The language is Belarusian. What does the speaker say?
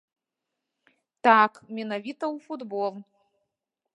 Так, менавіта ў футбол.